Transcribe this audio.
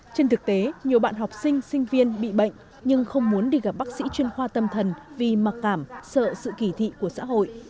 trên thực tế nhiều bạn học sinh sinh viên bị bệnh nhưng không muốn đi gặp bác sĩ chuyên khoa tâm thần vì mặc cảm sợ sự kỳ thị của xã hội